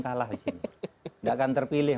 kalah di sini tidak akan terpilih